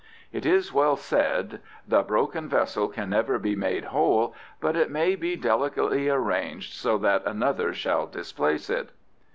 It is well said, "The broken vessel can never be made whole, but it may be delicately arranged so that another shall displace it."